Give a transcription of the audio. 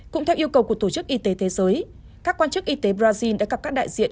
cũng theo yêu cầu của tổ chức y tế thế giới các quan chức y tế brazil đã gặp các đại diện